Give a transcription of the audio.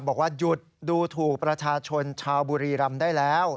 บอกว่าหยุดดูถูกประชาชนชาวบุรีรำได้แล้ว